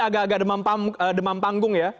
agak demam panggung ya